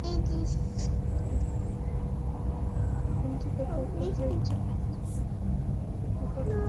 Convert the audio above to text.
অন্ততপক্ষে ভয়ে চুপসে যাবার ঢং কর।